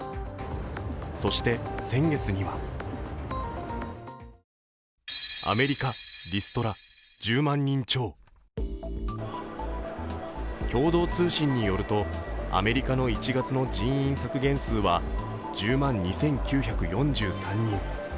そして先月には共同通信によると、アメリカの１月の人員削減数は１０万２９４３人。